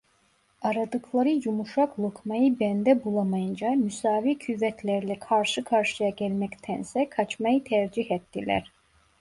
Aradıkları yumuşak lokmayı bende bulamayınca müsavi kuvvetlerle karşı karşıya gelmektense kaçmayı tercih ettiler.